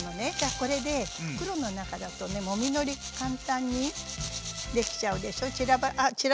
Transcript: これで袋の中だとねもみのり簡単にできちゃうでしょ？